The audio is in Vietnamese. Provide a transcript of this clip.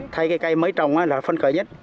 thay cái cây mới trồng là phân cỡ nhất